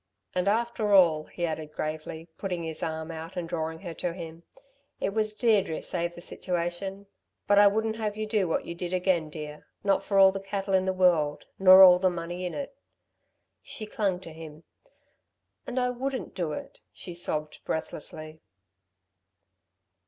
"And, after all," he added gravely, putting his arm out and drawing her to him, "it was Deirdre saved the situation. But I wouldn't have you do what you did again, dear, not for all the cattle in the world, nor all the money in it." She clung to him. "And I wouldn't do it," she sobbed, breathlessly.